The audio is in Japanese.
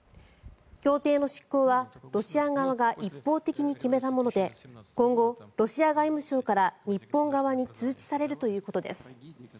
協定の失効はロシア側が一方的に決めたもので今後、ロシア外務省から日本側に通知されるということです。